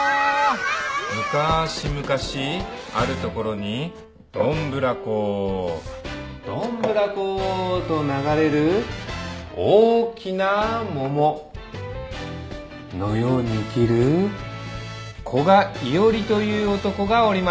むかし昔あるところにどんぶらこどんぶらこと流れる大きな桃のように生きる古賀一織という男がおりました。